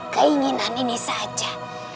keinginan nini saja